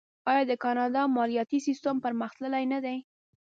آیا د کاناډا مالیاتي سیستم پرمختللی نه دی؟